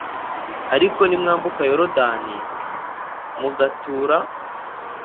Ariko nimwambuka Yorodani mugatura